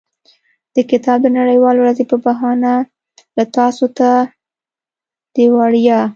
د کتاب د نړیوالې ورځې په بهانه له تاسو ته د وړیا.